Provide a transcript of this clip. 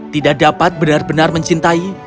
tidak dapat benar benar mencintai